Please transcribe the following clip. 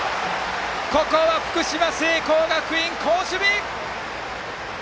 ここは福島・聖光学院、好守備！